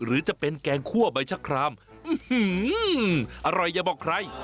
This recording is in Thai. หรือจะเป็นแกงคั่วใบชะครามอร่อยอย่าบอกใคร